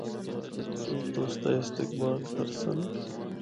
اے تُسدا استقبال کرسن۔